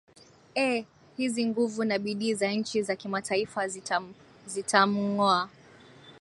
ee hizi nguvu na bidii za nchi za kimataifa zitam zitamng oa